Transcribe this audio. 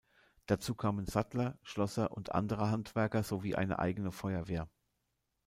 Dazu kamen Sattler, Schlosser und andere Handwerker sowie eine eigene Feuerwehr.